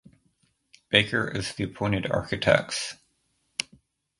Baker as the appointed architects